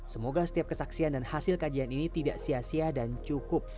semoga setiap kesaksian dan hasil kajian ini tidak sia sia dan cukup